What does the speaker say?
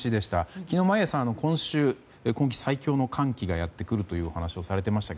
昨日眞家さん、今週今季最強の寒気がやってくるというお話をされていましたけ